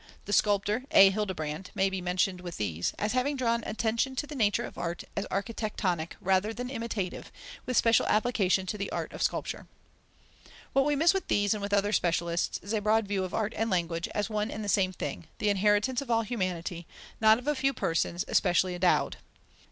The sculptor A. Hildebrand may be mentioned with these, as having drawn attention to the nature of art as architectonic rather than imitative, with special application to the art of sculpture. What we miss with these and with other specialists, is a broad view of art and language, as one and the same thing, the inheritance of all humanity, not of a few persons, specially endowed.